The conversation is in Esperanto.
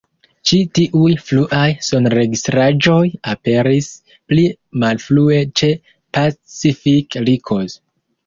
Ĉi tiuj fruaj sonregistraĵoj aperis pli malfrue ĉe Pacific Records.